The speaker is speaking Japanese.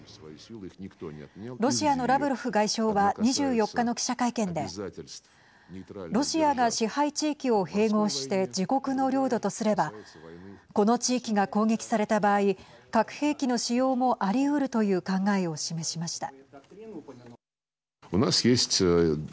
ロシアのラブロフ外相は２４日の記者会見でロシアが支配地域を併合して自国の領土とすればこの地域が攻撃された場合核兵器の使用もありうるという考えを示しました。